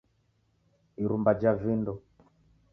irumba ja vindo